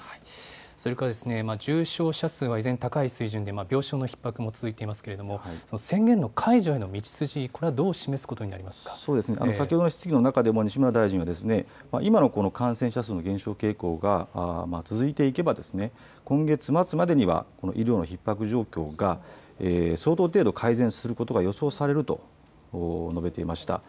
それから重症者数は依然高い水準に、病床のひっ迫も続いていますけれども、その宣言の解除への道筋、これはどう示すことにな先ほどの質疑の中でも、西村大臣は今の感染者数の減少傾向が続いていけば、今月末までにはこの医療のひっ迫状況が相当程度改善することが予想されると述べていました。